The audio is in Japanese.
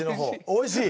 おいしい。